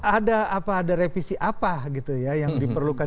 ada apa ada revisi apa gitu ya yang diperlukan